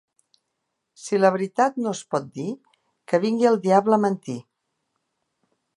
Si la veritat no es pot dir, que vingui el diable a mentir.